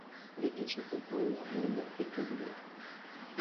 L'église se compose d'une nef rectangulaire.